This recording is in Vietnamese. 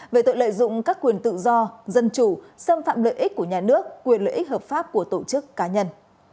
về tội lợi dụng các quyền tự do dân chủ xâm phạm lợi ích của nhà nước quyền lợi ích hợp pháp của tổ chức cá nhân